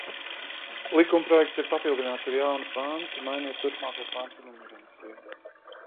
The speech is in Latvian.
Likumprojekts ir papildināts ar jaunu pantu, mainot turpmāko pantu numerāciju.